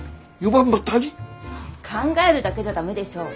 考えるだけじゃ駄目でしょ。